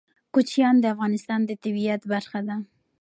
کوچیان د افغانستان د طبیعت برخه ده.